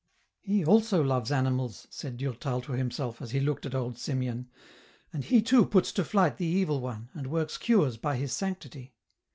231 " He also loves animals," said Durtal to himself, as he looked at old Simeon ;" and he too puts to flight the Evil One, and works cures by his sanctity.